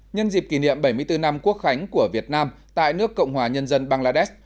nhân dịp kỷ niệm bảy mươi bốn năm quốc khánh của việt nam tại nước cộng hòa nhân dân bangladesh